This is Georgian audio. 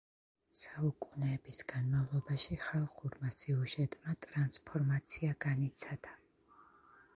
საუკუნეების განმავლობაში ხალხურმა სიუჟეტმა ტრანსფორმაცია განიცადა.